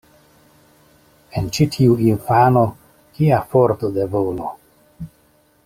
En ĉi tiu infano, kia forto de volo!